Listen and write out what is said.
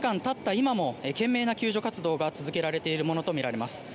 今も懸命な救助活動が続けられているものとみられます。